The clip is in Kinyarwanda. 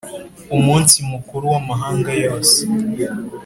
Umunsi mukuru w’amahanga yose